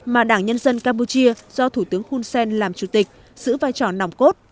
mà đảng nhân dân campuchia do thủ tướng hun sen làm chủ tịch giữ vai trò nòng cốt